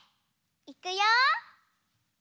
いくよ！